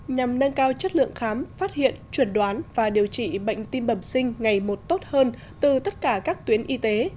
nhằm nâng cao chất lượng khám phát hiện chuẩn đoán và điều trị bệnh tim bẩm sinh ngày một tốt hơn từ tất cả các tuyến y tế